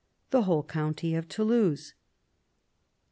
the whole county of Toulouse.